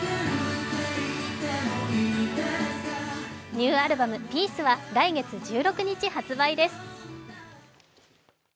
ニューアルバム「ピース」は来月１６日発売です。